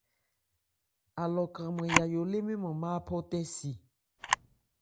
Alɔ kranman Yayó lée mɛ́n nman bha áphɔ̂tɛ́si.